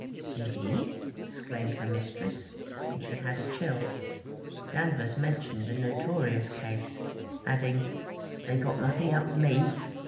'Indeed!' exclaimed her mistress; and she had a chill. Danvers mentioned a notorious Case, adding, 'They got nothing out of me.'